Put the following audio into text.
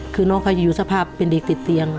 คือน้องเขาจะอยู่สภาพเป็นเด็กติดเตียง